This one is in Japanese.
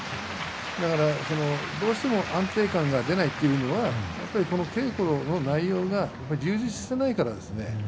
だからどうしても安定感が出ないというのは稽古の内容が充実していないからですね。